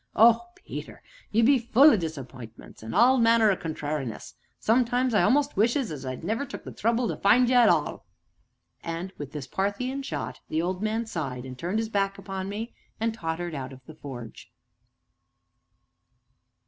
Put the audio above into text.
Oh, Peter! you be full o' disapp'intments, an' all manner o' contrariness; sometimes I a'most wishes as I'd never took the trouble to find ye at all!" And, with this Parthian shot, the old man sighed, and turned his back upon me, and tottered out of the forge.